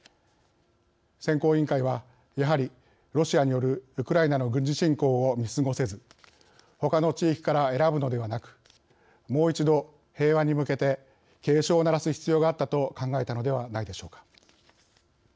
選考委員会はやはりロシアによるウクライナの軍事侵攻を見過ごせず他の地域から選ぶのではなくもう一度、平和に向けて警鐘を鳴らす必要があったと考えたのではないでしょうか。